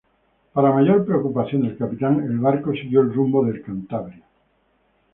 Para mayor preocupación del capitán, el barco siguió el nuevo rumbo del "Cantabria".